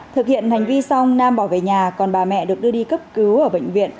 thực hiện hành vi xong nam bỏ về nhà còn bà mẹ được đưa đi cấp cứu ở bệnh viện